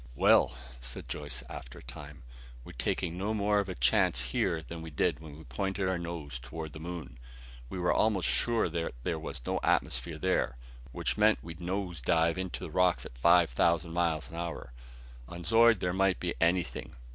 "Well," said Joyce after a time, "we're taking no more of a chance here than we did when we pointed our nose toward the moon. We were almost sure that was no atmosphere there which meant we'd nose dive into the rocks at five thousand miles an hour. On Zeud there might be anything."